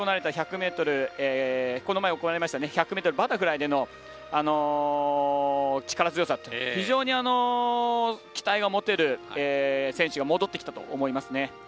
この前行われました１００ｍバタフライでの力強さと非常に期待を持てる選手が戻ってきたと思いますね。